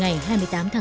giấc mơ đại học